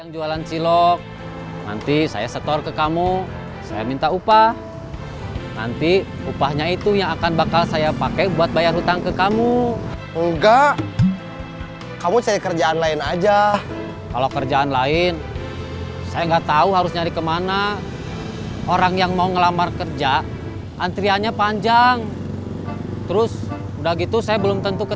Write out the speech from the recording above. jangan lupa like share dan subscribe channel ini untuk dapat info terbaru dari kami